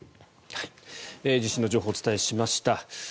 地震の情報をお伝えしました。